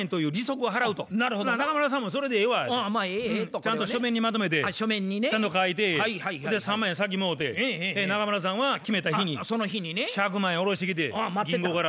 ちゃんと書面にまとめてちゃんと書いて３万円先もろて中村さんは決めた日に１００万円下ろしてきて銀行から。